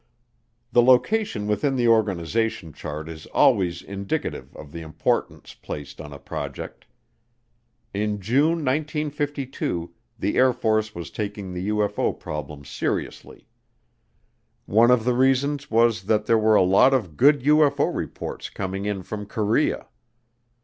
The location within the organizational chart is always indicative of the importance placed on a project. In June 1952 the Air Force was taking the UFO problem seriously. One of the reasons was that there were a lot of good UFO reports coming in from Korea.